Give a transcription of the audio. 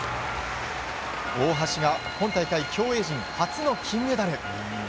大橋が今大会競泳陣初の金メダル。